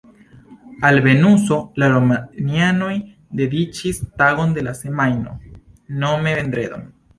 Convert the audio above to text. Al Venuso la romianoj dediĉis tagon de la semajno, nome vendredon.